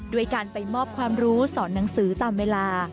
ด้วยการไปมอบความรู้สอนหนังสือตามเวลา